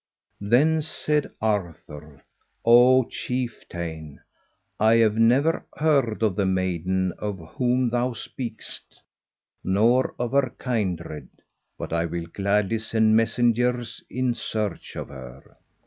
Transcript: Then said Arthur, "O chieftain, I have never heard of the maiden of whom thou speakest, nor of her kindred, but I will gladly send messengers in search of her."